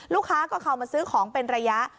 ลูกค้าก็เข้ามาซื้อของเป็นระยะ